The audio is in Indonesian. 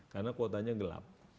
karena kuotanya gelap